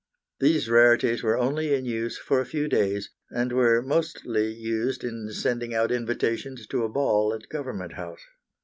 These rarities were only in use for a few days, and were mostly used in sending out invitations to a ball at Government House.